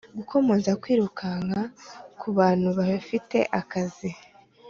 gukomoza kwirukanka kubantu bafite akazi